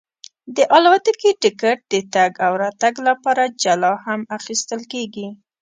د الوتکې ټکټ د تګ او راتګ لپاره جلا هم اخیستل کېږي.